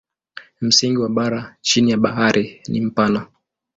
Msingi wa bara chini ya bahari ni mpana.